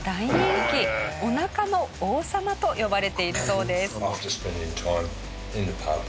「お腹の王様」と呼ばれているそうです。